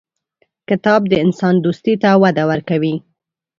کتاب د انسان دوستي ته وده ورکوي.